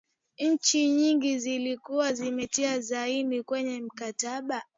nchi nyingi zilikuwa zimetia saini kwenye mkataba